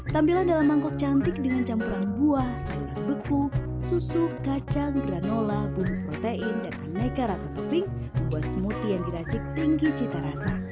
tampilan dalam mangkok cantik dengan campuran buah sayur beku susu kacang granola bumbu protein dan aneka rasa topping membuat smoothie yang diracik tinggi cita rasa